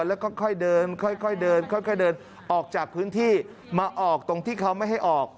แล้วก็ค่อยเดินออกจากพื้นที่มาออกตรงที่เขาไม่ให้ออก